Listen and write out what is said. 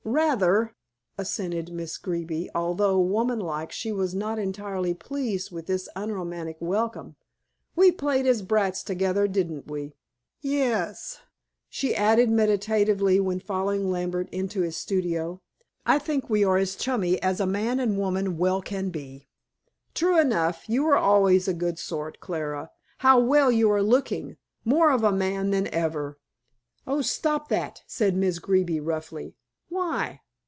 "Rather," assented Miss Greeby, although, woman like, she was not entirely pleased with this unromantic welcome. "We played as brats together, didn't we? "Yes," she added meditatively, when following Lambert into his studio, "I think we are as chummy as a man and woman well can be." "True enough. You were always a good sort, Clara. How well you are looking more of a man than ever." "Oh, stop that!" said Miss Greeby roughly. "Why?"